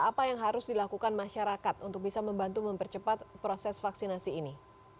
apa yang harus dilakukan masyarakat untuk bisa membantu mempercepat proses vaksinasi ini